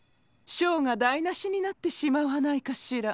ショーがだいなしになってしまわないかシラ。